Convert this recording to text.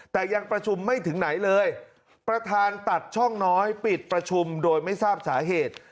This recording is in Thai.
แต่ยังประชุมไม่ถึงไหนเลยประธานตัดช่องน้อยปิดประชุมโดยไม่ทราบสาเหตุ